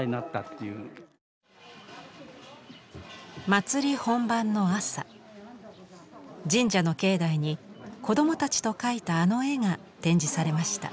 祭り本番の朝神社の境内に子供たちと描いたあの絵が展示されました。